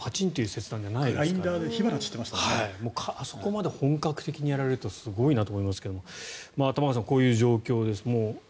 切断が本格的にやられるとすごいなと思いますが玉川さん、こういう状況です。